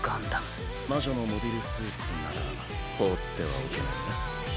魔女のモビルスーツなら放ってはおけないな。